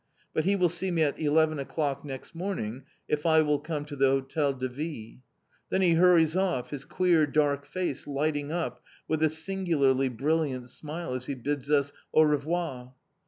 But he will see me at eleven o'clock next morning if I will come to the Hotel de Ville. Then he hurries off, his queer dark face lighting up with a singularly brilliant smile as he bids us "Au revoir!"